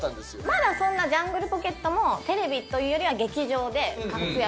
まだそんなジャングルポケットもテレビというよりは劇場で活躍してる頃でしたね。